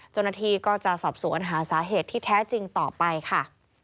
จนนาทีก็จะสอบสู่อันหาสาเหตุที่แท้จริงต่อไปค่ะ